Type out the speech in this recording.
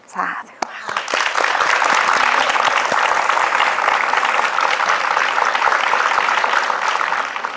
สาธารณะครับ